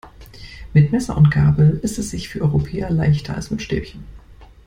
Mit Messer und Gabel isst es sich für Europäer leichter als mit Stäbchen.